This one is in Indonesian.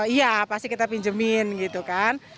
iya pasti kita pinjemin gitu kan